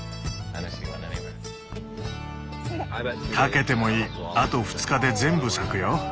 賭けてもいいあと２日で全部咲くよ。